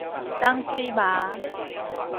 棕蓑猫